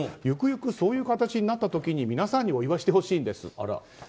ゆくゆくそういう形になった時に皆さんにお祝いしてほしいんです。